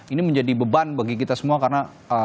ini menjadi beban bagi kita semua karena